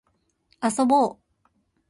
遊ぼう